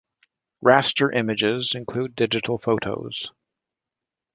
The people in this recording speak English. Raster images include digital photos.